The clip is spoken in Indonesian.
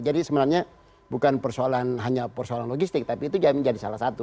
jadi sebenarnya bukan hanya persoalan logistik tapi itu menjadi salah satu